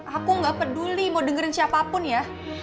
aku nggak peduli mau dengerin siapapun ya